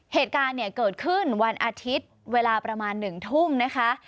เหตุการณ์เนี่ยเกิดขึ้นวันอาทิตย์เวลาประมาณ๑ทุ่มนะคะ